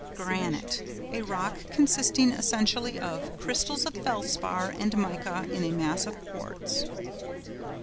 GRANITE.—A rock consisting essentially of crystals of felspar and mica in a mass of quartz.